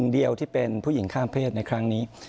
เดียวที่เป็นผู้หญิงข้ามเพศในครั้งนี้